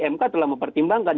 mk telah mempertimbangkan